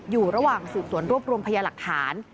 อยู่ระหว่างสืบสวนรวบรวมพยาหลักฐาน